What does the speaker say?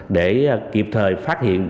để kịp thời phát hiện